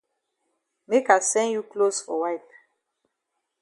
Make I send you closs for wipe.